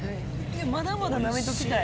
まだまだなめときたい。